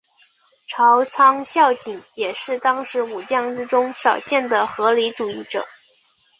朝仓孝景也是当时武将之中少见的合理主义者。